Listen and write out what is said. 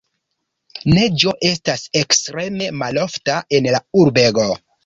Neĝo estas ekstreme malofta en la urbego.